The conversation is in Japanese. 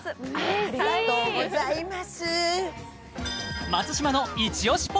ありがとうございます嬉しい